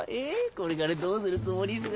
これからどうするつもりすか？